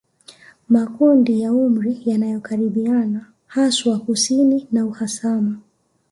Makundi ya umri yanayokaribiana haswa kusini na uhasama